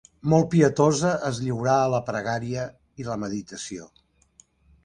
Molt pietosa, es lliurà a la pregària i la meditació.